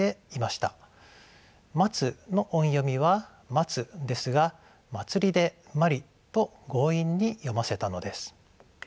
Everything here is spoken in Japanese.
「茉」の音読みは「マツ」ですが「茉莉」で「マリ」と強引に読ませたのです。